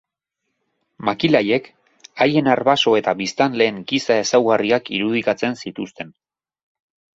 Makil haiek, haien arbaso eta biztanleen giza ezaugarriak irudikatzen zituzten.